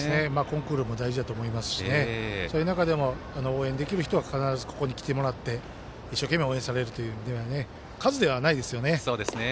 コンクールも大事だと思いますしその中でも応援できる人は必ずここに来てもらって一生懸命応援されるという意味で数ではないですよね。